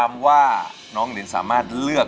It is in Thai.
อินโทรเพลงที่๓มูลค่า๔๐๐๐๐บาทมาเลยครับ